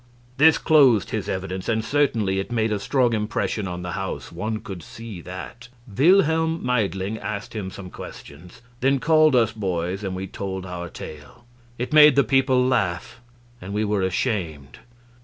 This closed his evidence, and certainly it made a strong impression on the house; one could see that. Wilhelm Meidling asked him some questions, then called us boys, and we told our tale. It made the people laugh, and we were ashamed.